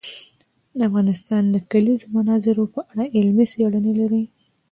افغانستان د د کلیزو منظره په اړه علمي څېړنې لري.